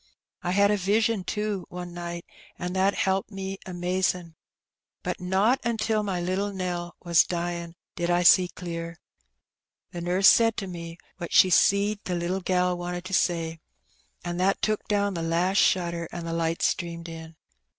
I had a vision^ too^ one night, an' that helped me amazin'. But not until my little Nell was dyin' did I see clear. The nurse said to me what she seed the little gal wanted to say, an' that took down the last shutter, an' the light streamed in.